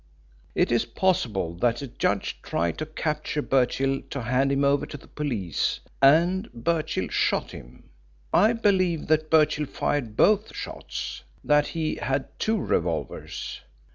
It is possible that the judge tried to capture Birchill to hand him over to the police, and Birchill shot him. I believe that Birchill fired both shots that he had two revolvers.